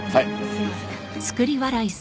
すいません。